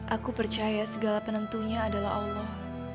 aku percaya segala penentunya adalah allah